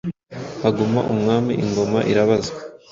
Haguma umwami, ingoma irabazwa” .